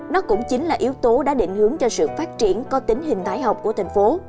nó cũng chính là yếu tố đã định hướng cho sự phát triển có tính hình thái